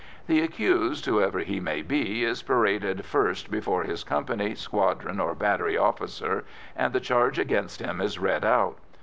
The accused, whoever he may be, is paraded first before his company, squadron, or battery officer, and the charge against him is read out.